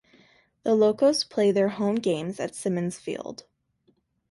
The Locos play their home games at Simmons Field.